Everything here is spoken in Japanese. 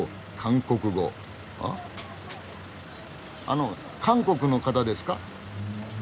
あの韓国の方ですか？